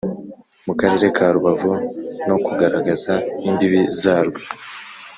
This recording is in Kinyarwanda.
mu Karere ka Rubavu no kugaragaza imbibi zarwo